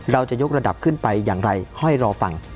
เราจะยกระดับขึ้นไปอย่างไรห้อยรอฟัง